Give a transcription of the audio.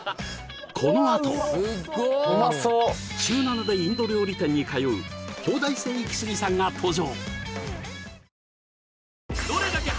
このあと週７でインド料理店に通う京大生イキスギさんが登場！